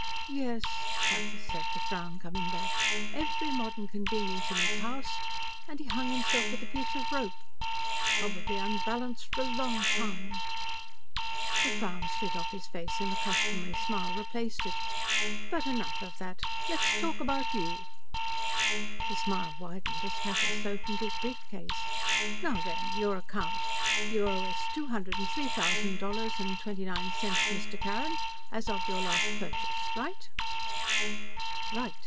"Yes," Pathis said, the frown coming back. "Every modern convenience in his house, and he hung himself with a piece of rope. Probably unbalanced for a long time." The frown slid off his face, and the customary smile replaced it. "But enough of that! Let's talk about you." The smile widened as Pathis opened his briefcase. "Now, then, your account. You owe us two hundred and three thousand dollars and twenty nine cents, Mr. Carrin, as of your last purchase. Right?"